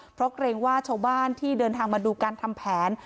เพราะเกรงว่าชาวบ้านที่เดินทางมาดูการทำแผน